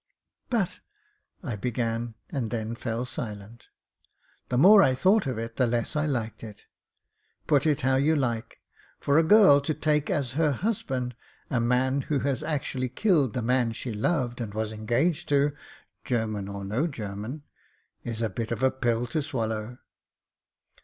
"But " I began, and then fell silent. The more I thought of it the less I liked it. Put it how you like, for a girl to take as her husband a man who has actually killed the man she loved and was engaged to — German or no German — is a bit of a pill to swal low.